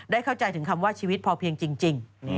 เข้าใจถึงคำว่าชีวิตพอเพียงจริง